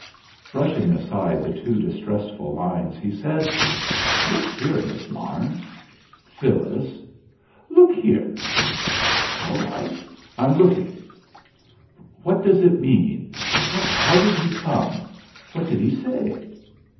Brushing aside the two distressful lines, he said: "Look here, Miss Larne Phyllis look here!" "All right, I'm looking!" "What does it mean how did he come? What did he say?"